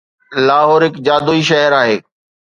لاهور هڪ جادوئي شهر آهي.